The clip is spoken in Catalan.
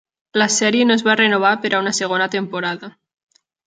La sèrie no es va renovar per a una segona temporada.